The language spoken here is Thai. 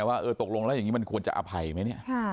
ว่าอย่างงี้ตกลงแล้วควรจะอภัยมั้ย